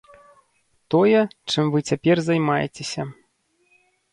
Тое, чым вы цяпер займаецеся.